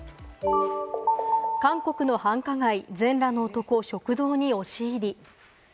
韓国の繁華街、全裸の男、食堂に押し入り。